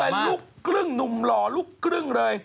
เป็นลูกครึ่งหนุ่มหล่อลูกกรึ้งเลย